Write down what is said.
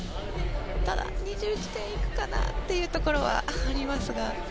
ただ、２１点行くかなっていうところはありますが。